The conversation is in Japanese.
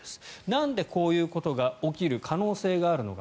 なんでこういうことが起きる可能性があるのか。